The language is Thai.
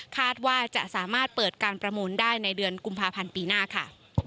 คาดว่าจะสามารถเปิดการประมูลได้ในเดือนกุมภาพันธ์ปีหน้าค่ะ